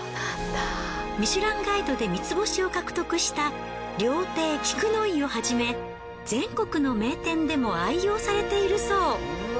ミシュランガイドで三ツ星を獲得した料亭菊乃井をはじめ全国の名店でも愛用されているそう。